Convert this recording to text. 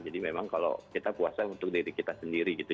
jadi memang kalau kita puasa untuk diri kita sendiri gitu